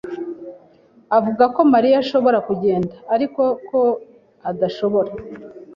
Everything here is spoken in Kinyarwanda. avuga ko Mariya ashobora kugenda, ariko ko adashobora.